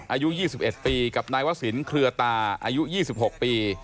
อายุยี่สิบเอ็ดปีกับนายวะศิลป์เคลือตาอายุยี่สิบหกปี